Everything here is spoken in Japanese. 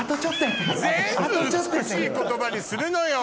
全部美しい言葉にするのよ！